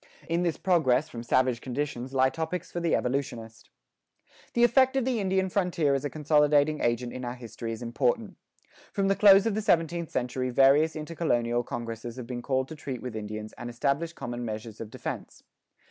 In this progress from savage conditions lie topics for the evolutionist.[15:1] The effect of the Indian frontier as a consolidating agent in our history is important. From the close of the seventeenth century various intercolonial congresses have been called to treat with Indians and establish common measures of defense.